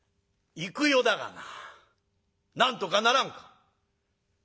「幾代だがななんとかならんか？」。